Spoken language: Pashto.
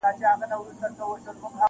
د یوې ورځي دي زر ډالره کیږي-